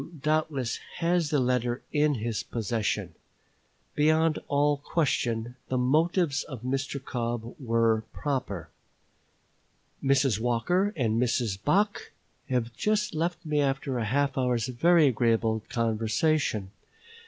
doubtless has the letter in his possession. Beyond all question, the motives of Mr. Cobb were proper. Mrs. Walker and Mrs. Bache have just left me after a half hour's very agreeable conversation. Mrs.